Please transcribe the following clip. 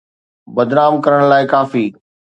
بدنام ڪرڻ لاءِ ڪافي.